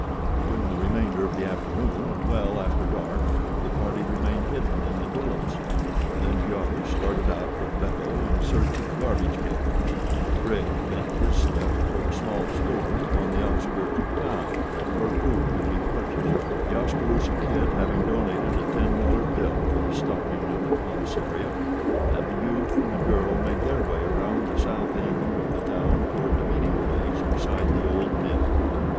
During the remainder of the afternoon and well after dark the party remained hidden in the willows. Then Giova started out with Beppo in search of garbage cans, Bridge bent his steps toward a small store upon the outskirts of town where food could be purchased, The Oskaloosa Kid having donated a ten dollar bill for the stocking of the commissariat, and the youth and the girl made their way around the south end of the town toward the meeting place beside the old mill.